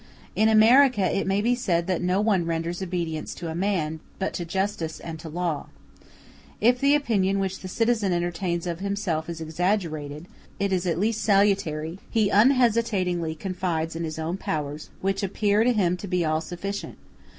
In America it may be said that no one renders obedience to man, but to justice and to law. If the opinion which the citizen entertains of himself is exaggerated, it is at least salutary; he unhesitatingly confides in his own powers, which appear to him to be all sufficient.